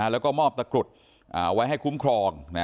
แล้วก็มอบตะกรุดไว้ให้คุ้มครอง